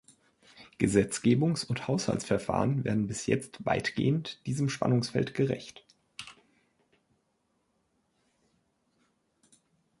Gesetzgebungs- und Haushaltsverfahren werden bis jetzt weitgehend diesem Spannungsfeld gerecht.